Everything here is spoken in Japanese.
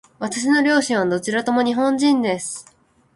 私の両親はどちらとも日本人です。